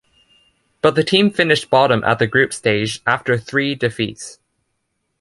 But the team finished bottom at the group stage, after three defeats.